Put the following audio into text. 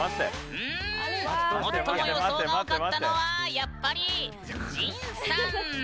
最も予想が多かったのはやっぱり、ＪＩＮさん！